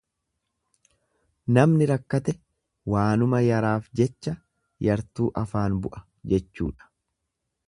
Namni rakkate waanuma yaraaf jecha yartuu afaan bu'a jechuudha.